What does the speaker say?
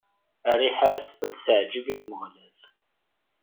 Rriḥa-s ad teɛǧeb i Umeɣlal.